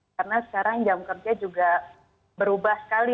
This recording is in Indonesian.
karena sekarang jam kerja juga berubah sekali